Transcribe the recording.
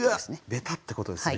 ベタってことですね。